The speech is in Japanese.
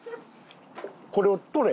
これを取れ！